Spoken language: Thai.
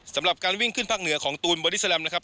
สำหรับการวิ่งขึ้นภาคเหนือของตูนบอดี้แลมนะครับ